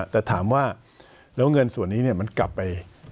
แต่ถามว่าแล้วเงินส่วนนี้